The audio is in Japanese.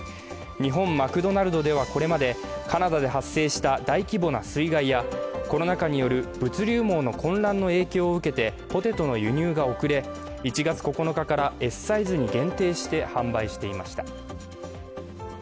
日本マクドナルドではこれまでカナダで発生した大規模な水害やコロナ禍による物流網の混乱の影響を受けてポテトの輸入が遅れ、１月９日からＳサイズに限定して販売していました。